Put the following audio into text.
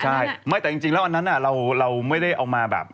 ใช่ไม่แต่จริงแล้วอันนั้นเราไม่ได้เอามาแบบ